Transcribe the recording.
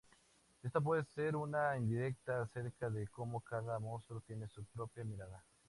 Ésta puede ser una indirecta acerca de cómo cada monstruo tiene su propia mirada.